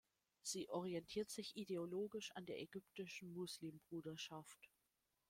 Sie orientiert sich ideologisch an der ägyptischen Muslimbruderschaft.